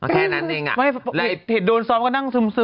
แค่นั้นเองไม่ไงแล้ารายเงินซ้อนก็นั่งซึมซึม